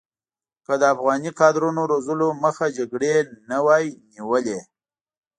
که د افغاني کادرونو روزلو مخه جګړې نه وی نیولې.